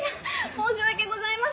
申し訳ございません！